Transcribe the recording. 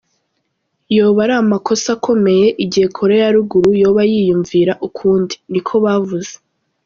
Yoba ari "amakosa akomeye" igihe Korea ya Ruguru yoba yiyumvira ukundi, niko bavuze.